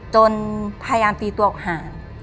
จนพยายามตีตัวออกห่าง